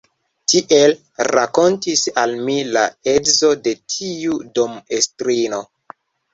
Tiel rakontis al mi la edzo de tiu dom-estrino.